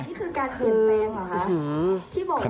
นี่คือการเปลี่ยนแปลงเหรอคะ